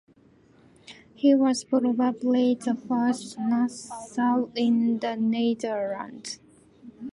He was probably the first Nassau in the Netherlands.